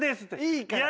いいから。